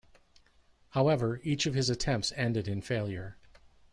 However, each of his attempts ended in failure.